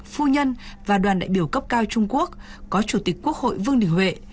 phu nhân và đoàn đại biểu cấp cao trung quốc có chủ tịch quốc hội vương đình huệ